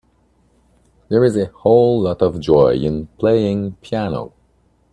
There is a whole lot of joy in playing piano.